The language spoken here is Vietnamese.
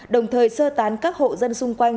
đồng thời sơ tán các hộ dân xung quanh